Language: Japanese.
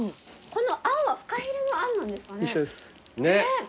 このあんはフカヒレのあんなんですかね？